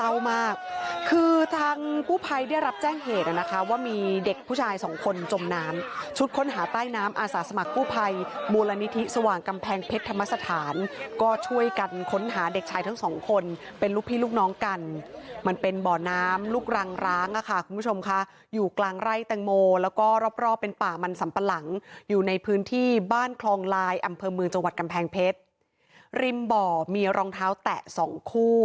เยาวมากคือทางกู้ภัยได้รับแจ้งเหตุนะคะว่ามีเด็กผู้ชายสองคนจมน้ำชุดค้นหาใต้น้ำอาสาสมัครกู้ภัยบูลณิธิสว่างกำแพงเพชรธรรมสถานก็ช่วยกันค้นหาเด็กชายทั้งสองคนเป็นลูกพี่ลูกน้องกันมันเป็นบ่อน้ำลูกรังร้างอะค่ะคุณผู้ชมค่ะอยู่กลางไร่แตงโมแล้วก็รอบรอบเป็นป่ามันสัมปะหลัง